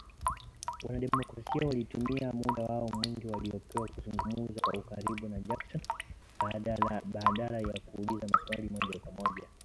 wanademokrasia walitumia muda wao mwingi waliopewa kuzungumza kwa ukaribu na Jackson, badala ya kuuliza maswali ya moja kwa moja.